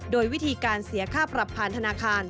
โดยวิธีการเสียค่าปรับผ่านธนาคาร